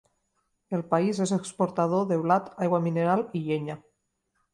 El país és exportador de blat, aigua mineral i llenya.